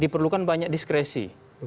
diperlukan banyak diskresi